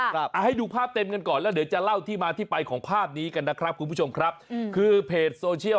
อ่าให้ดูภาพเต็มกันก่อนแล้วเดี๋ยวจะเล่าที่มาที่ไปของภาพนี้กันนะครับคุณผู้ชมครับคือเพจโซเชียล